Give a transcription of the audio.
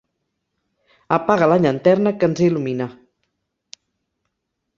Apaga la llanterna que ens il·lumina.